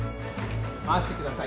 回してください。